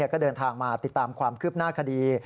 ก็เดินทางมาติดตามความคืบหน้าคดี